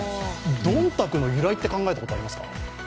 どんたくの由来って考えたことありますか？